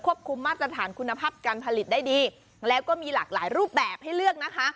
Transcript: คุมมาตรฐานคุณภาพการผลิตได้ดีแล้วก็มีหลากหลายรูปแบบให้เลือกนะคะ